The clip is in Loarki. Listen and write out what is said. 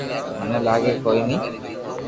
مني لاگي ڪوئي ني